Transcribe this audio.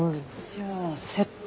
じゃあ窃盗。